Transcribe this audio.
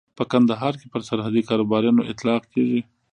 په کندهار کې پر سرحدي کاروباريانو اطلاق کېږي.